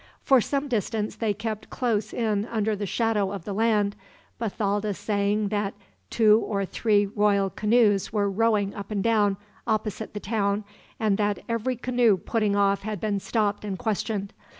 For some distance they kept close in under the shadow of the land, Bathalda saying that two or three royal canoes were rowing up and down, opposite the town, and that every canoe putting off had been stopped and questioned.